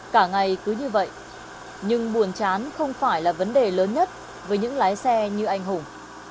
cả ngày cứ như vậy nhưng buồn chán không phải là vấn đề lớn nhất với những lái xe như anh hùng